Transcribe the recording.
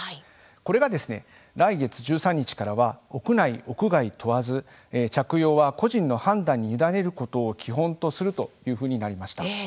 これが来月１３日からは屋内、屋外問わず着用は個人の判断に委ねることを基本とするというふうになりました。